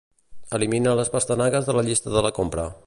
Elimina les pastanagues de la llista de la compra.